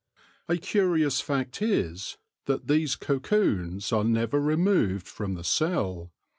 A curious fact is that these cocoons are never removed from the cell.